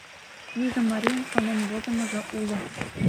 Южо марийын шонен возымыжо уло.